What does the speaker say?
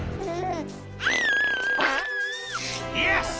よし！